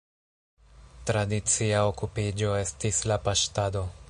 Tradicia okupiĝo estis la paŝtado.